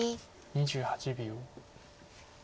２８秒。